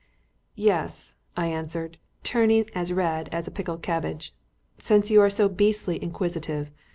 "Yes," I answered, turning as red as a pickled cabbage; "since you are so beastly inquisitive.